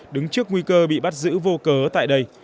đứng trước nguy cơ bị bắt giữ vô cớ tại đây